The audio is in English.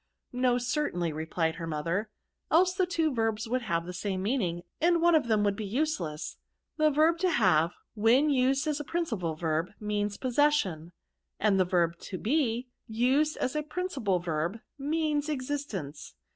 '*" No, certainly," replied her mother, "else the two verbs would have the same meaning, and one of them would be useless. The verb to have, when used as a principal verb, means possession ; and the verb to be, used as a principal verb, means existence.